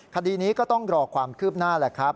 คดีนี้ก็ต้องรอความคืบหน้าแหละครับ